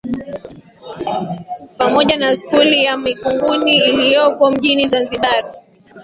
Pamoja na Skuli ya Mikunguni iliyopo mjini Zanzibar.